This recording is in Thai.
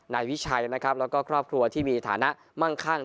นายวิชัยแล้วก็ครอบครัวที่มีฐานะมั่งข้าง